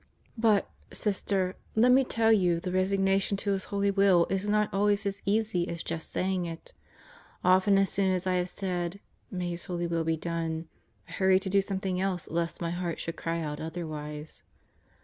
But, Sister, let me tell you the resignation to His holy will is not always as easy as just saying it. Often as soon as I have said: "May His holy will be done!" I hurry to do something else lest my heart should cry out otherwise.